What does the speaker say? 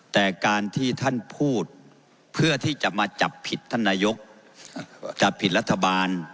แต่การที่ท่านพูดเพื่อที่จะมาจับผิดท่านนายกจับผิดรัฐบาล